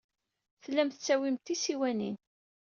Tellam tettawyem-d tisiwanin.